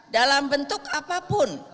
dalam bentuk apapun